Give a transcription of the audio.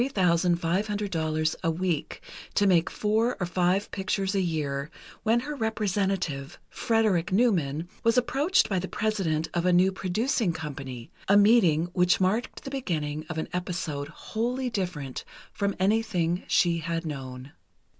00 a week, to make four or five pictures a year, when her representative, Frederick Newman, was approached by the president of a new producing company, a meeting which marked the beginning of an episode wholly different from anything she had known.